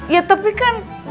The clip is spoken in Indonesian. ya tapi kan